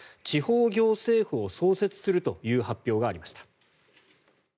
地方行政府を創設するという発表がありました。